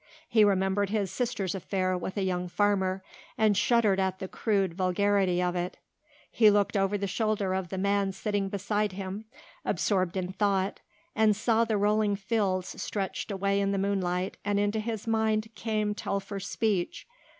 He remembered his sister's affair with a young farmer and shuddered at the crude vulgarity of it. He looked over the shoulder of the man sitting beside him absorbed in thought, and saw the rolling fields stretched away in the moonlight and into his mind came Telfer's speech.